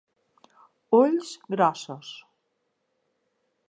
Ulls grossos.